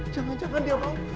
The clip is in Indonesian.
jangan jangan dia mau